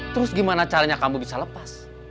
terus gimana caranya kamu bisa lepas